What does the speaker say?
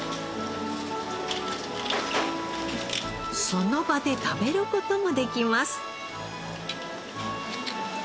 その場で食べる事もできます。